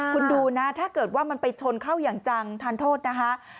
คุณดูนะถ้าเกิดว่ามันไปชนเข้าอย่างจังทานโทษนะคะ